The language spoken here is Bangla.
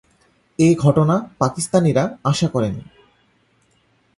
এ ঘটনা পাকিস্তানিরা আশা করেনি।